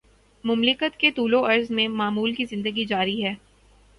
مملکت کے طول وعرض میں معمول کی زندگی جاری ہے۔